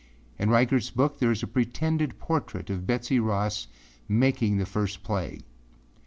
In Reigartâs book there is a pretended portrait of Betsey Ross making the first flag.